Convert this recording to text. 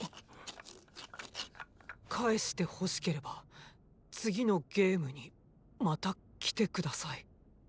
返してほしければ次のゲームにまた来て下さい。